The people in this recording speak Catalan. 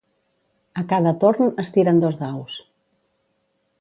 A cada torn es tiren dos daus.